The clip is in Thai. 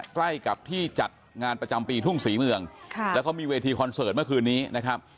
ใกล้กับที่จัดงานประจำปีทุ่งศรีเมืองค่ะแล้วเขามีเวทีคอนเสิร์ตเมื่อคืนนี้นะครับ